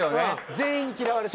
全員に嫌われて。